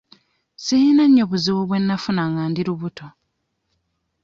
Sirina nnyo buzibu bwe nnafuna nga ndi lubuto.